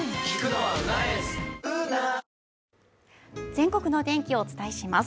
全国のお天気をお伝えします。